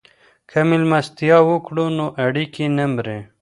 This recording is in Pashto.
که مېلمستیا وکړو نو اړیکې نه مري.